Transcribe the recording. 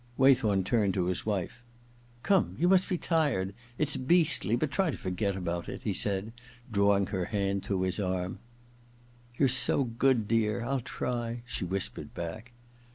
Waythorn turned to his wife. * Come — ^you must be tired. It's beastly, but try to forget about it,' he said, drawing her hand through his arm. * You're so good, dear. I'll try,' she whis pered back.